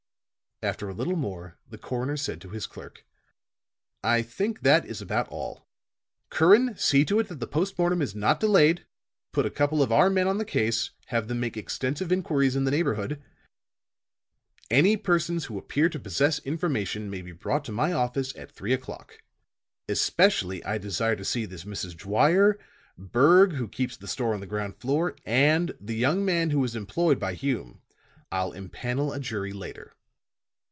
After a little more, the coroner said to his clerk: "I think that is about all. Curran, see to it that the post mortem is not delayed. Put a couple of our men on the case, have them make extensive inquiries in the neighborhood. Any persons who appear to possess information may be brought to my office at three o'clock. Especially I desire to see this Mrs. Dwyer, Berg, who keeps the store on the ground floor and the young man who was employed by Hume. I'll empanel a jury later."